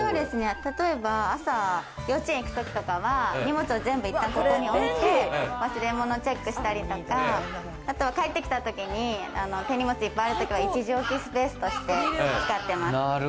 例えば朝、幼稚園行く時とかは荷物を一旦ここに置いて、忘れものチェックしたりとか、帰ってきたときに手荷物いっぱいあるときは一時置きスペースとして使ってます。